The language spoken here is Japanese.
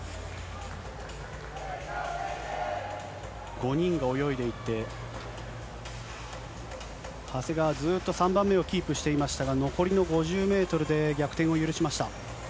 ５人が泳いでいって、長谷川、ずっと３番目をキープしていましたが、残りの５０メートルで逆転を許しました。